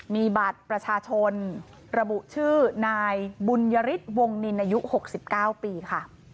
มีบัตรประชาชนระบุชื่อนายบุญยฤทธิ์วงนินอายุ๖๙ปีค่ะ